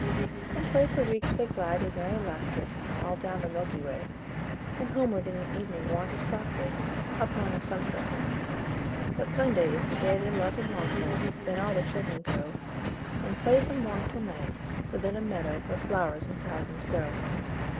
And twice a week they glide with merry laughter All down the Milky Way, And homeward in the evening wander softly Upon a sunset ray. But Sunday is the day they love and long for, Then all the children go And play from morn till night within a meadow Where flowers in thousands grow.